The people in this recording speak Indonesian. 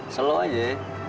selaw aja ya